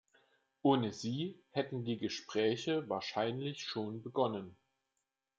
Ohne sie hätten die Gespräche wahrscheinlich schon begonnen.